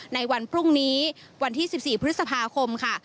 ในวันพรุ่งนี้วันที่๑๔พฤษภาคมค่ะ